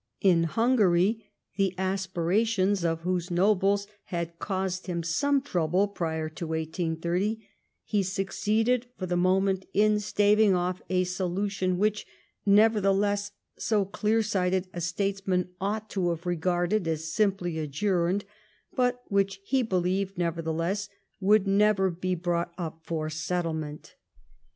In Hungary, the aspirations of whose nobles had caused him some trouble prior to 1830, he succeeded for the moment in staving off a solution which, nevertheless, so clearsighted a statesman ought to have regarded as simply adjourned, but which he believed, nevertheless, would never be brought up for settlement.